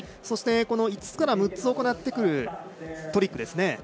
そして、５つから６つ行ってくるトリックですね。